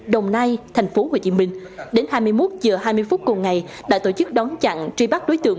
đồng nai thành phố hồ chí minh đến hai mươi một h hai mươi phút cùng ngày đã tổ chức đón chặn tri bắt đối tượng